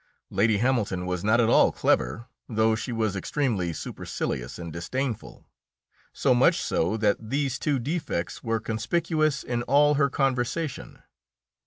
Lady Hamilton was not at all clever, though she was extremely supercilious and disdainful, so much so that these two defects were conspicuous in all her conversation.